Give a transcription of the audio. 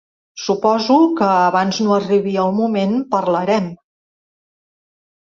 Suposo que abans no arribi el moment parlarem.